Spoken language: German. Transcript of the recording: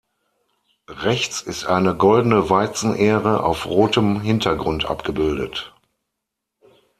Rechts ist eine goldene Weizen-Ähre auf rotem Hintergrund abgebildet.